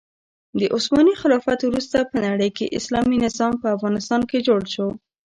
د عثماني خلافت وروسته په نړۍکې اسلامي نظام په افغانستان کې جوړ شو.